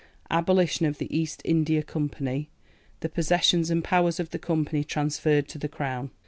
Abolition of the East India Company. The possessions and powers of the Company transferred to the Crown.